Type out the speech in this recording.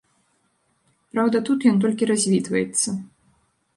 Праўда тут ён толькі развітваецца.